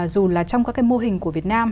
dù là trong các cái mô hình của việt nam